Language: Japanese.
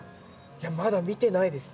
いやまだ見てないですね。